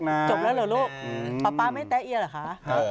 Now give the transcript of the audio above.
จบแล้วเหรอลูกป๊าป๊าไม่แตะเอียเหรอคะ